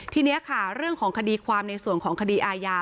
ทีนี้ค่ะเรื่องของคดีความในส่วนของคดีอาญา